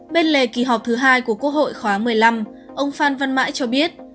bên lề kỳ họp thứ hai của quốc hội khóa một mươi năm ông phan văn mãi cho biết